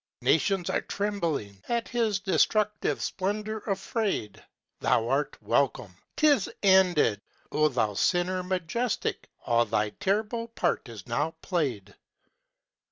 Nations are trembling, At his destructive splendor afraid! Thou art welcome! 'Tis ended! Oh thou sinner majestic, All thy terrible part is now played!